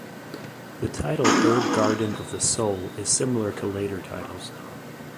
The title, "Herb garden of the Soul", is similar to later titles.